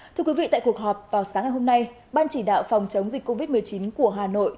thưa quý vị tại cuộc họp vào sáng ngày hôm nay ban chỉ đạo phòng chống dịch covid một mươi chín của hà nội